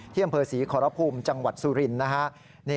ที่อำเภอศรีขอระภูมิจังหวัดสุรินทร์